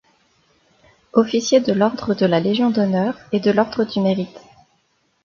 Officier de l’ordre de la Légion d’honneur et de l’ordre du Mérite.